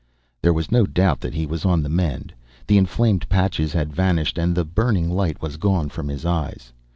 There was no doubt that he was on the mend. The inflamed patches had vanished and the burning light was gone from his eyes.